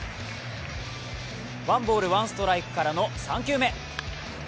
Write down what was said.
ワンボール・ワンストライクからの３球目。